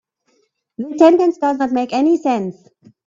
This sentence does not make any sense.